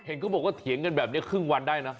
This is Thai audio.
เขาบอกว่าเถียงกันแบบนี้ครึ่งวันได้นะ